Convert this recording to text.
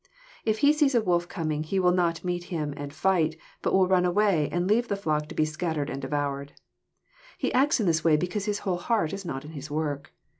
If he sees a wolf coming he will not meet him and fight, but will run away, and leave the flock to be scattered and devoured. He acts in this way because his whole heart is not in his work.